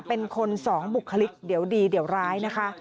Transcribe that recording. เป็นคนสองบุคลิกเดี๋ยวดีเดี๋ยวร้ายนะคะ